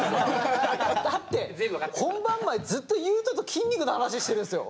だって本番前ずっと裕翔と筋肉の話してるんすよ！